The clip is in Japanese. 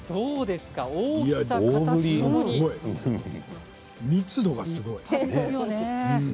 すごい、密度がすごい。ですよね。